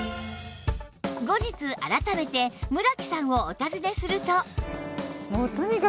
後日改めて村木さんをお訪ねすると